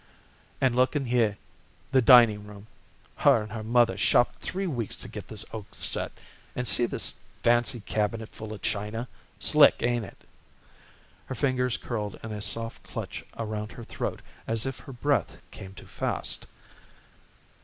"And look in here, the dining room. Her and her mother shopped three weeks to get this oak set, and see this fancy cabinet full of china. Slick, ain't it?" Her fingers curled in a soft, clutch around her throat as if her breath came too fast.